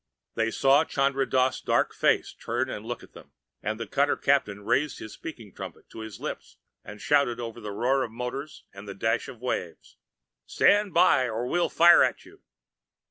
They saw Chandra Dass' dark face turn and look back at them, and the cutter captain raised his speaking trumpet to his lips and shouted over the roar of motors and dash of waves. "Stand by or we'll fire at you!"